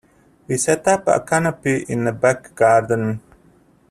We set up a canopy in the back garden.